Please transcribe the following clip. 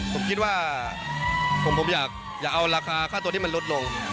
ผมคิดว่าผมอยากเอาราคาค่าตัวที่มันลดลง